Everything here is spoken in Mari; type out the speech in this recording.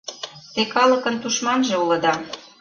Те калыкын тушманже улыда!